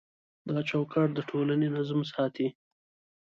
دا چوکاټ د ټولنې نظم ساتي.